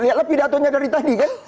lihatlah pidatonya dari tadi kan